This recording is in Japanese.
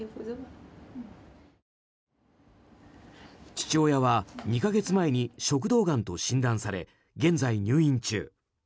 父親は２か月前に食道がんと診断され現在、入院中。